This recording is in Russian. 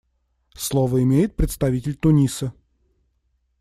Слово имеет представитель Туниса.